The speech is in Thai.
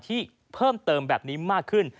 ที่เพิ่มเติมแบบนี้มากขึ้น